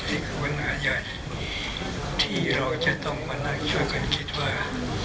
นี่คือปัญหาใหญ่ที่เราจะต้องมานั่งช่วยกันคิดว่า